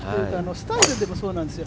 スタイルもそうなんですよ